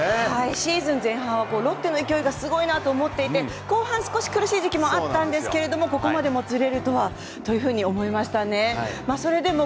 シーズン前半はこのロッテの勢いがすごいなと思っていて後半少し苦しい時期もあったんですけれどもここまでもつれるとはというふうに思いましたね。